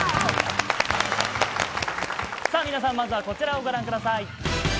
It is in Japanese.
皆さん、まずはこちらをご覧ください。